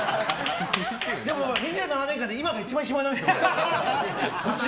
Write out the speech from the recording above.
でも、２７年間で今が一番暇なんですよ。